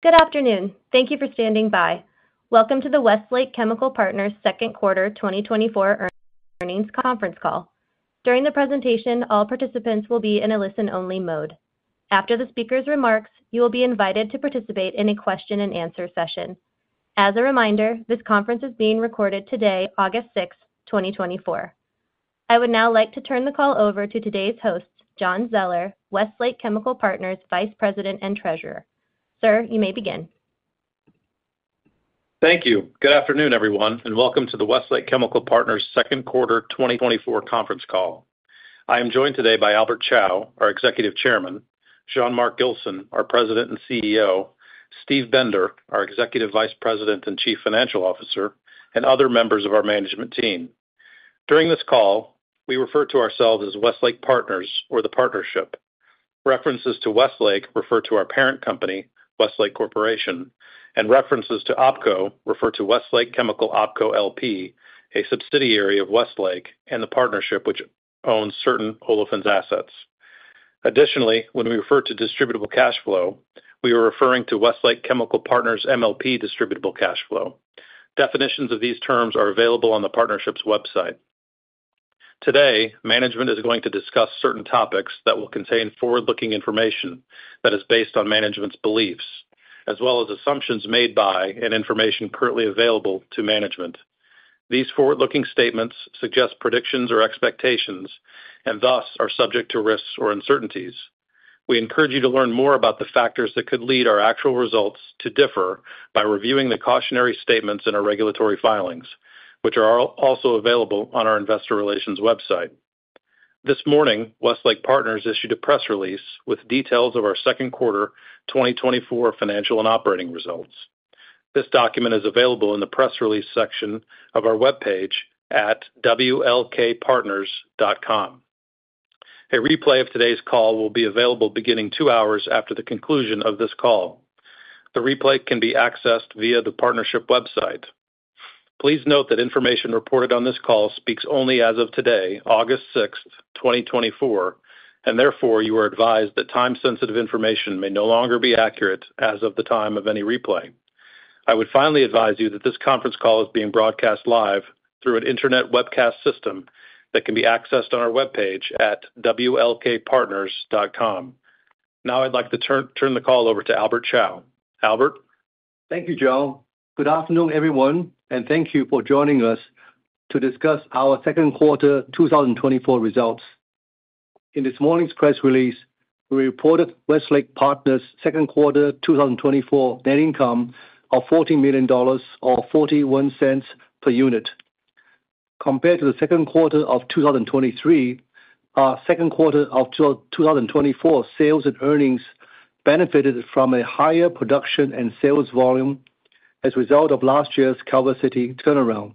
Good afternoon. Thank you for standing by. Welcome to the Westlake Chemical Partners Second Quarter 2024 Earnings Conference Call. During the presentation, all participants will be in a listen-only mode. After the speaker's remarks, you will be invited to participate in a question and answer session. As a reminder, this conference is being recorded today, August 6, 2024. I would now like to turn the call over to today's host, John Zoeller, Westlake Chemical Partners Vice President and Treasurer. Sir, you may begin. Thank you. Good afternoon, everyone, and welcome to the Westlake Chemical Partners second quarter 2024 conference call. I am joined today by Albert Chao, our Executive Chairman, Jean-Marc Gilson, our President and CEO, Steve Bender, our Executive Vice President and Chief Financial Officer, and other members of our management team. During this call, we refer to ourselves as Westlake Partners or the Partnership. References to Westlake refer to our parent company, Westlake Corporation, and references to OpCo refer to Westlake Chemical OpCo LP, a subsidiary of Westlake and the partnership which owns certain olefins assets. Additionally, when we refer to distributable cash flow, we are referring to Westlake Chemical Partners MLP distributable cash flow. Definitions of these terms are available on the partnership's website. Today, management is going to discuss certain topics that will contain forward-looking information that is based on management's beliefs, as well as assumptions made by and information currently available to management. These forward-looking statements suggest predictions or expectations and thus are subject to risks or uncertainties. We encourage you to learn more about the factors that could lead our actual results to differ by reviewing the cautionary statements in our regulatory filings, which are also available on our investor relations website. This morning, Westlake Partners issued a press release with details of our second quarter 2024 financial and operating results. This document is available in the press release section of our webpage at wlkpartners.com. A replay of today's call will be available beginning 2 hours after the conclusion of this call. The replay can be accessed via the partnership website. Please note that information reported on this call speaks only as of today, August 6, 2024, and therefore you are advised that time-sensitive information may no longer be accurate as of the time of any replay. I would finally advise you that this conference call is being broadcast live through an internet webcast system that can be accessed on our webpage at wlkpartners.com. Now, I'd like to turn the call over to Albert Chao. Albert? Thank you, John. Good afternoon, everyone, and thank you for joining us to discuss our second quarter 2024 results. In this morning's press release, we reported Westlake Partners' second quarter 2024 net income of $14 million or $0.41 per unit. Compared to the second quarter of 2023, our second quarter of 2024, sales and earnings benefited from a higher production and sales volume as a result of last year's Calvert City turnaround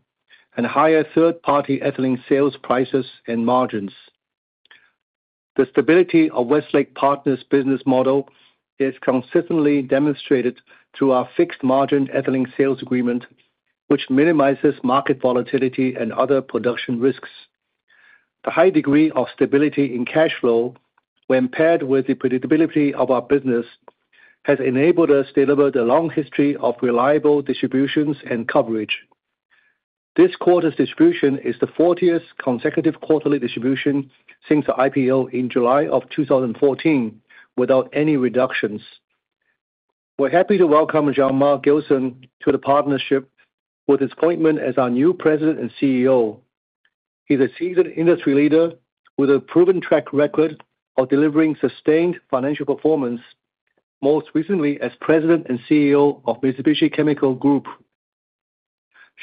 and higher third-party ethylene sales prices and margins. The stability of Westlake Partners' business model is consistently demonstrated through our fixed-margin ethylene sales agreement, which minimizes market volatility and other production risks. The high degree of stability in cash flow, when paired with the predictability of our business, has enabled us deliver the long history of reliable distributions and coverage. This quarter's distribution is the fortieth consecutive quarterly distribution since the IPO in July of 2014, without any reductions. We're happy to welcome Jean-Marc Gilson to the partnership with his appointment as our new President and CEO. He's a seasoned industry leader with a proven track record of delivering sustained financial performance, most recently as President and CEO of Mitsubishi Chemical Group.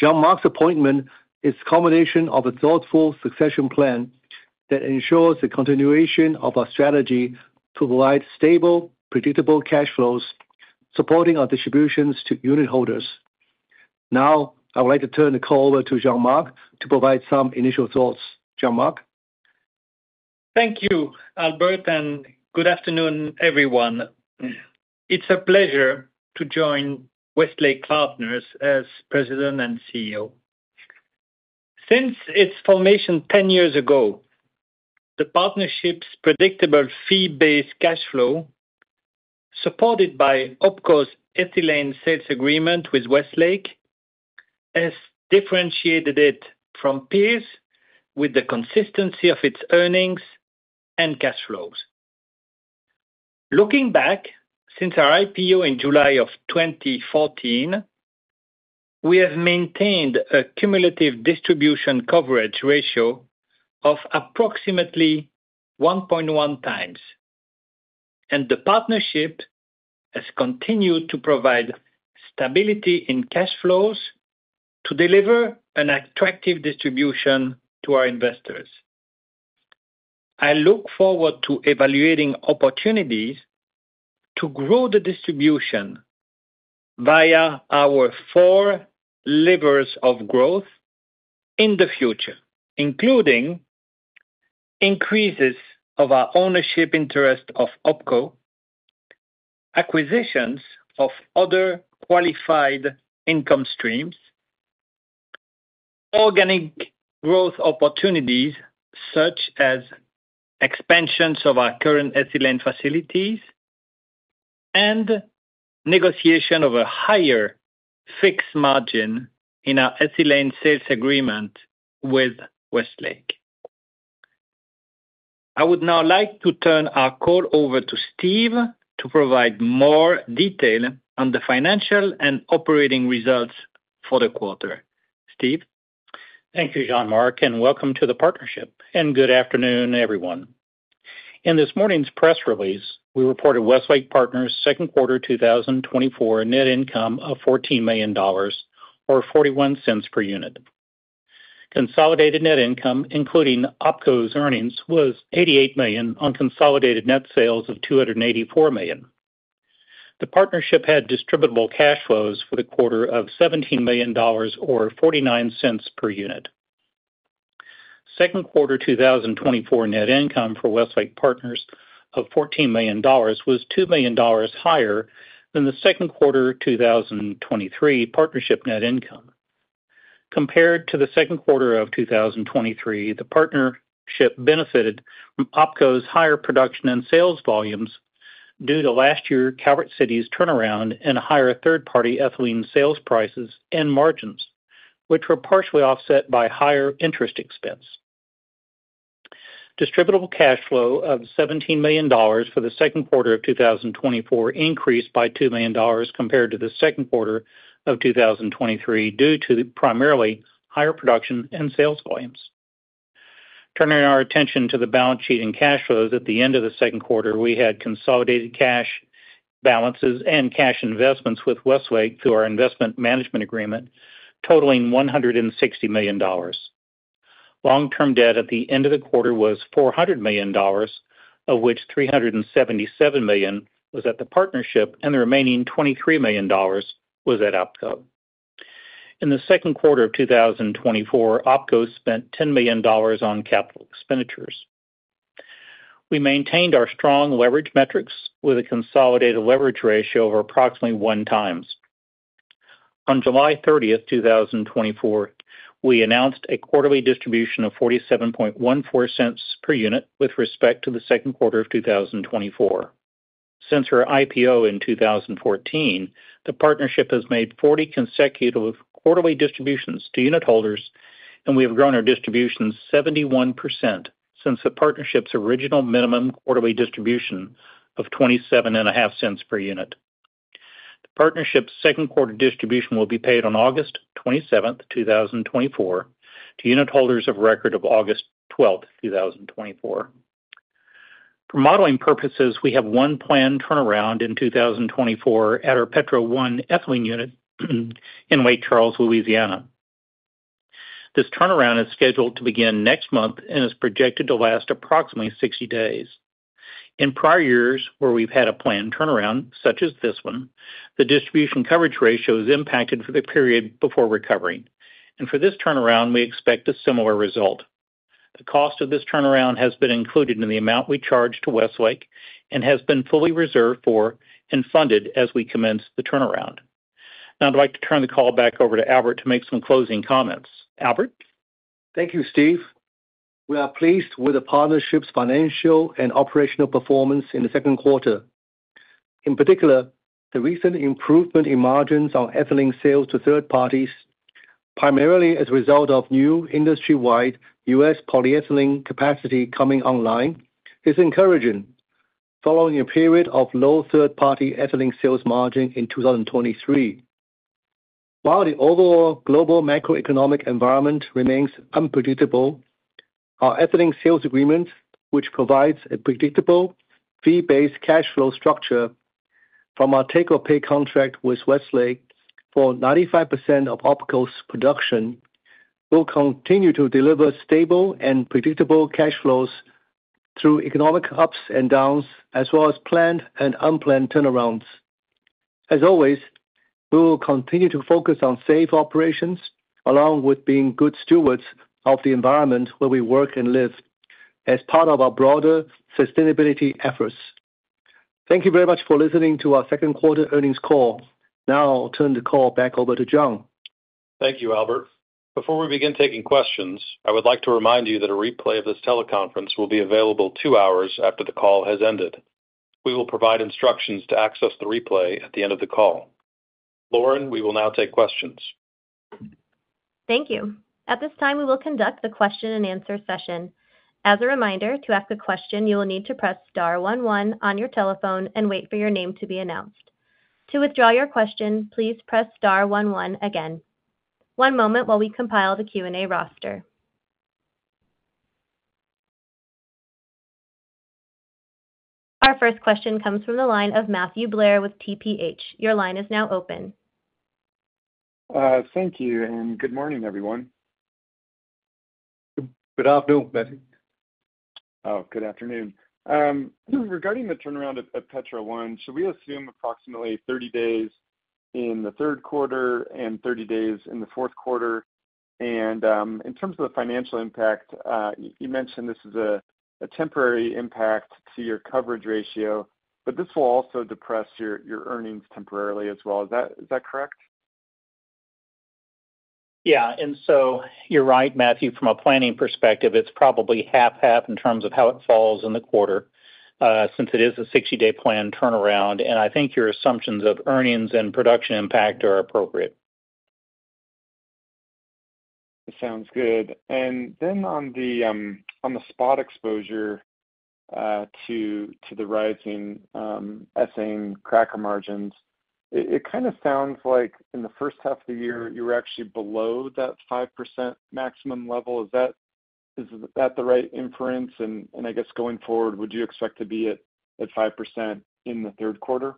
Jean-Marc's appointment is a combination of a thoughtful succession plan that ensures the continuation of our strategy to provide stable, predictable cash flows, supporting our distributions to unitholders. Now, I would like to turn the call over to Jean-Marc to provide some initial thoughts. Jean-Marc? Thank you, Albert, and good afternoon, everyone. It's a pleasure to join Westlake Partners as President and CEO. Since its formation 10 years ago, the partnership's predictable fee-based cash flow, supported by OpCo's ethylene sales agreement with Westlake, has differentiated it from peers with the consistency of its earnings and cash flows. Looking back, since our IPO in July of 2014, we have maintained a cumulative distribution coverage ratio of approximately 1.1 times, and the partnership has continued to provide stability in cash flows to deliver an attractive distribution to our investors. I look forward to evaluating opportunities to grow the distribution via our 4 levers of growth in the future, including increases of our ownership interest of OpCo, acquisitions of other qualified income streams- Organic growth opportunities, such as expansions of our current ethylene facilities and negotiation of a higher fixed margin in our ethylene sales agreement with Westlake. I would now like to turn our call over to Steve to provide more detail on the financial and operating results for the quarter. Steve? Thank you, Jean-Marc, and welcome to the partnership, and good afternoon, everyone. In this morning's press release, we reported Westlake Partners' second quarter 2024 net income of $14 million, or $0.41 per unit. Consolidated net income, including OpCo's earnings, was $88 million on consolidated net sales of $284 million. The partnership had distributable cash flows for the quarter of $17 million, or $0.49 per unit. Second quarter 2024 net income for Westlake Partners of $14 million was $2 million higher than the second quarter 2023 partnership net income. Compared to the second quarter of 2023, the partnership benefited from OpCo's higher production and sales volumes due to last year, Calvert City's turnaround and higher third-party ethylene sales prices and margins, which were partially offset by higher interest expense. Distributable Cash Flow of $17 million for the second quarter of 2024 increased by $2 million compared to the second quarter of 2023, due to primarily higher production and sales volumes. Turning our attention to the balance sheet and cash flows, at the end of the second quarter, we had consolidated cash balances and cash investments with Westlake through our investment management agreement, totaling $160 million. Long-term debt at the end of the quarter was $400 million, of which $377 million was at the Partnership, and the remaining $23 million was at OpCo. In the second quarter of 2024, OpCo spent $10 million on capital expenditures. We maintained our strong leverage metrics with a consolidated Leverage Ratio of approximately 1x. On July 30, 2024, we announced a quarterly distribution of $0.4714 per unit with respect to the second quarter of 2024. Since our IPO in 2014, the partnership has made 40 consecutive quarterly distributions to unitholders, and we have grown our distribution 71% since the partnership's original minimum quarterly distribution of $0.275 per unit. The partnership's second quarter distribution will be paid on August 27, 2024, to unitholders of record of August 12, 2024. For modeling purposes, we have 1 planned turnaround in 2024 at our Petro 1 ethylene unit in Lake Charles, Louisiana. This turnaround is scheduled to begin next month and is projected to last approximately 60 days. In prior years, where we've had a planned turnaround, such as this one, the distribution coverage ratio is impacted for the period before recovering, and for this turnaround, we expect a similar result. The cost of this turnaround has been included in the amount we charge to Westlake and has been fully reserved for and funded as we commence the turnaround. Now, I'd like to turn the call back over to Albert to make some closing comments. Albert? Thank you, Steve. We are pleased with the partnership's financial and operational performance in the second quarter. In particular, the recent improvement in margins on ethylene sales to third parties, primarily as a result of new industry-wide U.S. polyethylene capacity coming online, is encouraging following a period of low third-party ethylene sales margin in 2023. While the overall global macroeconomic environment remains unpredictable, our ethylene sales agreement, which provides a predictable, fee-based cash flow structure from our take-or-pay contract with Westlake for 95% of OpCo's production, will continue to deliver stable and predictable cash flows through economic ups and downs, as well as planned and unplanned turnarounds. As always, we will continue to focus on safe operations, along with being good stewards of the environment where we work and live as part of our broader sustainability efforts. Thank you very much for listening to our second quarter earnings call. Now I'll turn the call back over to John. Thank you, Albert. Before we begin taking questions, I would like to remind you that a replay of this teleconference will be available 2 hours after the call has ended. We will provide instructions to access the replay at the end of the call. Lauren, we will now take questions. Thank you. At this time, we will conduct the question-and-answer session. As a reminder, to ask a question, you will need to press star one one on your telephone and wait for your name to be announced. To withdraw your question, please press star one one again. One moment while we compile the Q&A roster. Our first question comes from the line of Matthew Blair with TPH. Your line is now open. Thank you, and good morning, everyone. Good afternoon, Matthew. Oh, good afternoon. Regarding the turnaround at Petro 1, should we assume approximately 30 days in the third quarter and 30 days in the fourth quarter? And, in terms of the financial impact, you mentioned this is a temporary impact to your coverage ratio, but this will also depress your earnings temporarily as well. Is that correct? Yeah, and so you're right, Matthew. From a planning perspective, it's probably 50/50 in terms of how it falls in the quarter, since it is a 60-day planned turnaround, and I think your assumptions of earnings and production impact are appropriate. Sounds good. And then on the spot exposure to the rising ethane cracker margins, it kind of sounds like in the first half of the year, you were actually below that 5% maximum level. Is that the right inference? And I guess, going forward, would you expect to be at 5% in the third quarter?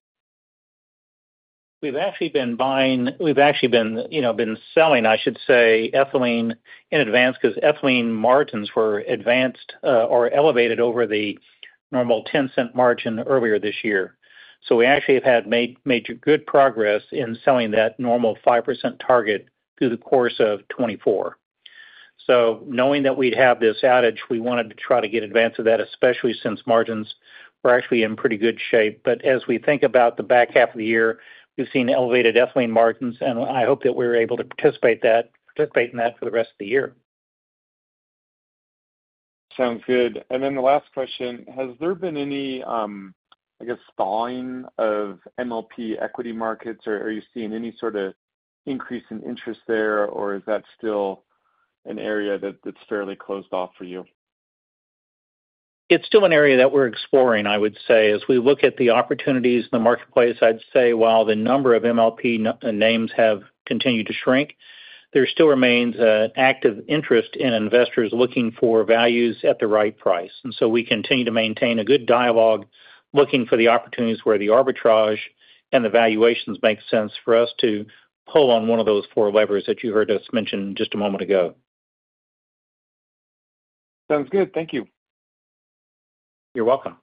We've actually been, you know, selling, I should say, ethylene in advance, 'cause ethylene margins were advanced, or elevated over the normal $0.10 margin earlier this year. So we actually have made good progress in selling that normal 5% target through the course of 2024. So knowing that we'd have this outage, we wanted to try to get advance of that, especially since margins were actually in pretty good shape. But as we think about the back half of the year, we've seen elevated ethylene margins, and I hope that we're able to participate in that for the rest of the year. Sounds good. And then the last question: Has there been any, I guess, thawing of MLP equity markets, or are you seeing any sort of increase in interest there, or is that still an area that, that's fairly closed off for you? It's still an area that we're exploring, I would say. As we look at the opportunities in the marketplace, I'd say while the number of MLP names have continued to shrink, there still remains an active interest in investors looking for values at the right price. And so we continue to maintain a good dialogue, looking for the opportunities where the arbitrage and the valuations make sense for us to pull on one of those four levers that you heard us mention just a moment ago. Sounds good. Thank you. You're welcome.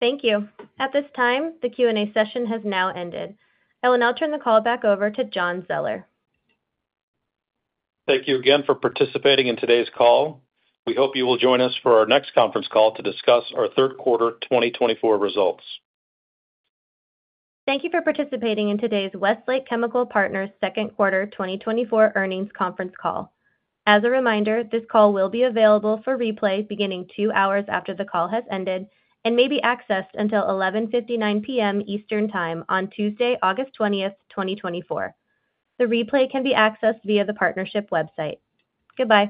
Thank you. At this time, the Q&A session has now ended. I will now turn the call back over to John Zoeller. Thank you again for participating in today's call. We hope you will join us for our next conference call to discuss our third quarter 2024 results. Thank you for participating in today's Westlake Chemical Partners second quarter 2024 earnings conference call. As a reminder, this call will be available for replay beginning two hours after the call has ended and may be accessed until 11:59 P.M. Eastern Time on Tuesday, August 20, 2024. The replay can be accessed via the partnership website. Goodbye.